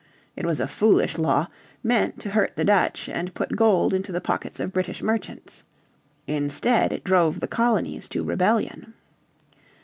It was a foolish law, meant to hurt the Dutch, and put gold into the pockets of British merchants. Instead it drove the colonies to rebellion.